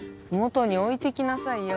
麓に置いてきなさいよ。